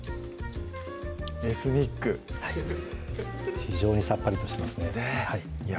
エスニックはい非常にさっぱりとしてますねねぇいや